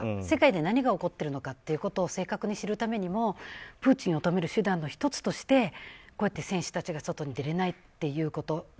世界で何が起こっているのかというのを正確に知るためにもプーチンを止める手段の１つとしてこうやって選手たちが外に出れないっていうこと。